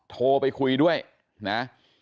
โทรไปคุยด้วยนะ